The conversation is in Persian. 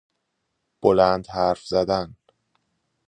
بلند حرف بزن